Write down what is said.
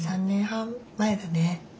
３年半前だね。